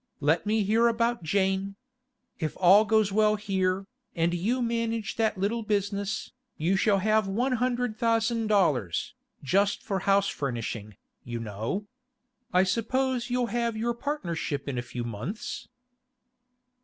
... Let me hear about Jane. If all goes well here, and you manage that little business, you shall have $100,000, just for house furnishing, you know. I suppose you'll have your partnership in a few months?